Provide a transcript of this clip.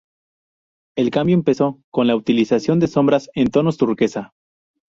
Él cambió empezó con la utilización de sombras en tonos turquesa.